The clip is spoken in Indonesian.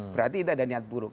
berarti itu ada niat buruk